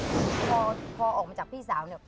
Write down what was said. คือพอออกมาจากพี่สาวเนี่ย